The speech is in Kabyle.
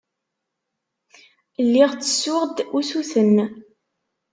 Lliɣ ttessuɣ-d usuten.